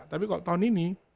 tapi kalau tahun ini